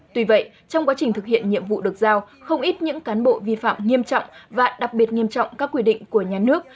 tuy vậy trong quá trình thực hiện nhiệm vụ được giao không ít những cán bộ vi phạm nghiêm trọng và đặc biệt nghiêm trọng các quy định của nhà nước